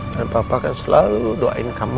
dan papa akan selalu doain kamu